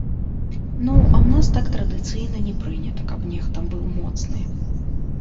Ну, а ў нас так традыцыйна не прынята, каб нехта быў моцны.